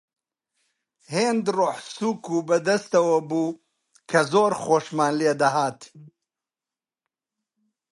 هێند ڕۆحسووک و بە دەستەوە بوو کە زۆر خۆشمان لێ دەهات